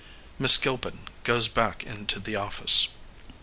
Miss Gilpin goes back into the office.